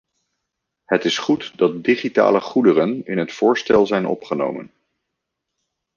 Het is goed dat digitale goederen in het voorstel zijn opgenomen.